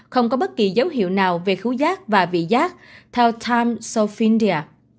không có bất kỳ dấu hiệu nào về khứu giác và vị giác theo times of india